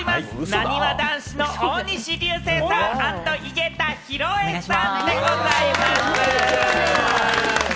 なにわ男子の大西流星さん、アンド井桁弘恵さんでございます。